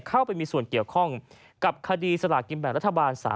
เข้าไปมีส่วนเกี่ยวข้องกับคดีสลากินแบ่งรัฐบาล